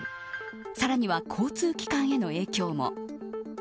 さらには交通機関への影響も。